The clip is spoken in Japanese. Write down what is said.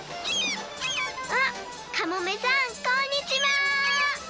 あっかもめさんこんにちは！